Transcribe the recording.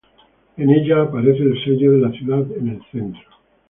En ella, aparece el sello de la ciudad en el centro.